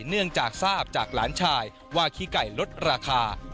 เนื่องจากทราบจากหลานชายว่าขี้ไก่ลดราคา